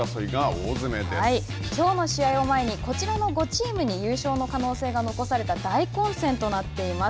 きょうの試合を前にこちらの５チームに優勝の可能性が残された大混戦となっています。